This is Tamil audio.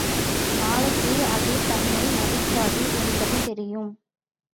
நாளைக்கு அது தன்னை மதிக்காது என்பது தெரியும்.